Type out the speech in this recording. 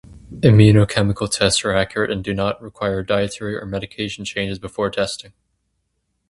Immunochemical tests are accurate and do not require dietary or medication changes before testing.